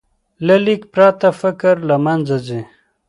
له لیک پرته، فکر له منځه ځي.